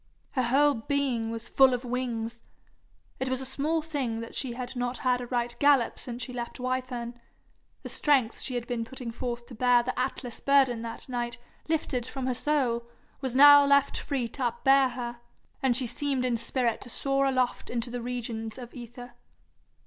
Her whole being was full of wings. It was a small thing that she had not had a right gallop since she left Wyfern; the strength she had been putting forth to bear the Atlas burden that night lifted from her soul, was now left free to upbear her, and she seemed in spirit to soar aloft into the regions of aether.